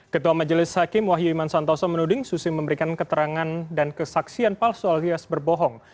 ketua majelis hakim wahyu iman santoso menuding susi memberikan keterangan dan kesaksian palsu alias berbohong